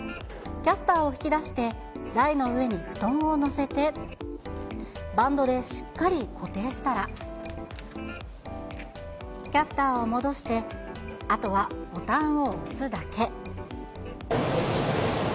キャスターを引き出して、台の上に布団を載せて、バンドでしっかり固定したら、キャスターを戻して、あとはボタンを押すだけ。